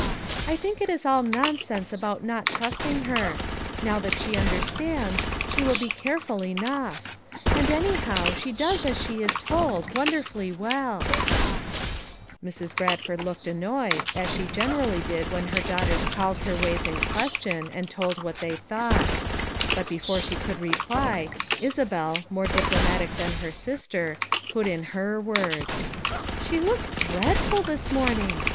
I think it is all nonsense about not trusting her; now that she understands, she will be care ful enough; and, anyhow, she does as she is told, wonderfully welL" Mrs. Bradford looked annoyed, as she gen erally did when her daughters called her ways in question and told what they thought ; but be fore she could reply, Isabel, more diplomatic than her sister, put in her word, "She looks dreadful this morning!